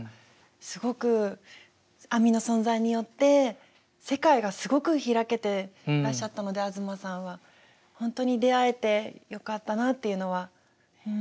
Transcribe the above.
すごくあみの存在によって世界がすごく開けてらっしゃったので東さんは。本当に出会えてよかったなっていうのはうん。